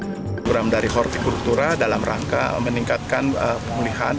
program dari hortikultura dalam rangka meningkatkan pemulihan